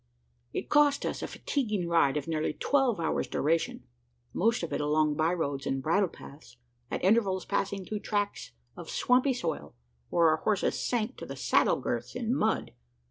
It cost us a fatiguing ride of nearly twelve hours' duration most of it along by roads and bridle paths at intervals passing through tracts of swampy soil, where our horses sank to the saddle girths in mud.